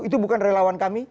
itu bukan relawan kami